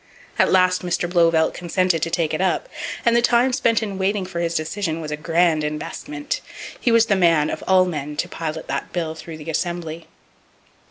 At last Mr. Blauvelt consented to take it up; and the time spent in waiting for his decision was a grand investment! He was the Man of all men to pilot that bill through the Assembly.